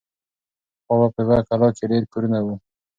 پخوا به په یوه کلا کې ډېر کورونه وو.